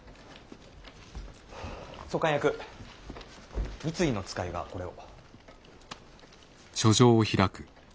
総監役三井の使いがこれを。